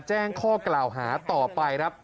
แจ้งข้อกล่าวหาต่อไปครับ